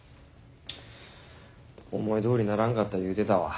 思いどおりならんかった言うてたわ。